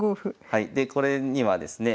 はいでこれにはですね